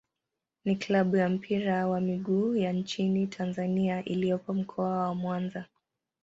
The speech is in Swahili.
ni klabu ya mpira wa miguu ya nchini Tanzania iliyopo Mkoa wa Mwanza.